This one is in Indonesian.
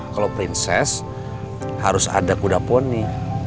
kalau prinses harus ada kuda poni